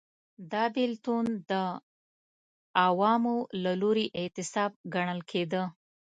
دا بېلتون د عوامو له لوري اعتصاب ګڼل کېده.